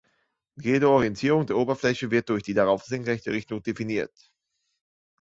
Jede Orientierung der Oberfläche wird durch die darauf senkrechte Richtung definiert.